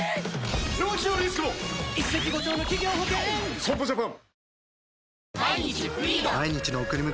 損保ジャパン